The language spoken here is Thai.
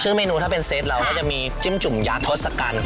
ซึ่งเมนูถ้าเป็นเซตเราก็จะมีจิ้มจุ่มยักษ์ทศกัณฐ์